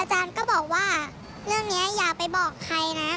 อาจารย์ก็บอกว่าเรื่องนี้อย่าไปบอกใครนะ